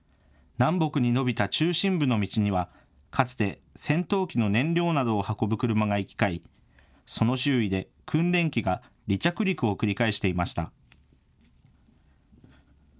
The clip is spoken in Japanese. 南北に伸びた中心部の道にはかつて戦闘機の燃料などを運ぶ車が行き交い、その周囲で訓練機が離着陸を繰り返していました。